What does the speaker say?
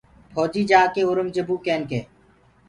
ڦوجيٚ جآڪي اورنٚگجيبو ڪين ڪي